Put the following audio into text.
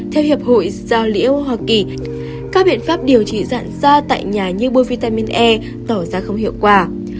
theo hiệp hội giao lý âu hoa kỳ các biện pháp điều trị sạn da tại nhà như bôi vitamin e tỏ ra không hiệu quả